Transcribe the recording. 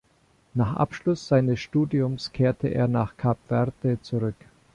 Nach Abschluss seines Studiums kehrte er nach Kap Verde zurück.